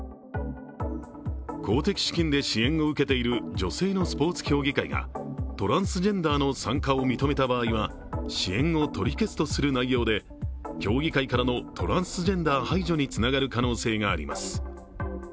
公的資金で支援を受けている女性のスポーツ競技会がトランスジェンダーの参加を認めた場合は支援を取り消すとする内容で競技会からのトランスジェンダー排除につながる可能性があります。